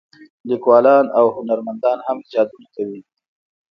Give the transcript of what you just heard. لیکوالان او هنرمندان هم ایجادونه کوي.